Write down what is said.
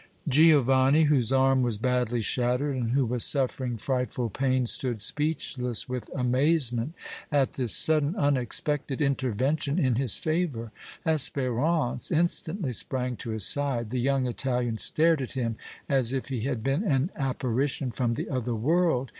Giovanni, whose arm was badly shattered and who was suffering frightful pain, stood speechless with amazement at this sudden, unexpected intervention in his favor. Espérance instantly sprang to his side. The young Italian stared at him as if he had been an apparition from the other world.